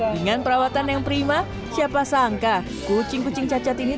dengan perawatan yang prima siapa sangka kucing kucing cacat ini